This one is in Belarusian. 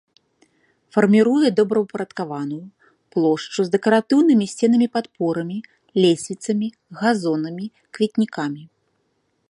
Фарміруе добраўпарадкаваную плошчу з дэкаратыўнымі сценамі-падпорамі, лесвіцамі, газонамі, кветнікамі.